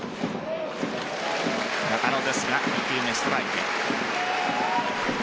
中野ですが２球目、ストライク。